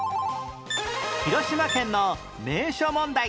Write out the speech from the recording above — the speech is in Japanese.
広島県の名所問題